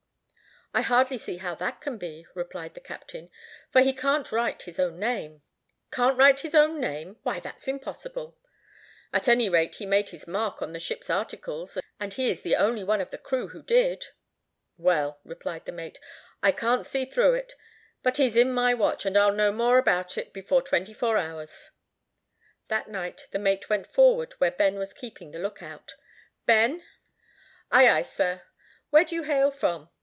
"I hardly see how that can be," replied the captain, "for he can't write his own name." "Can't write his own name! Why, that is impossible." "At any rate he made his mark on the ship's articles, and he is the only one of the crew who did." "Well," replied the mate, "I can't see through it; but he's in my watch, and I'll know more about it before twenty four hours." That night the mate went forward where Ben was keeping the lookout. "Ben!" "Ay, ay, sir." "Where do you hail from?"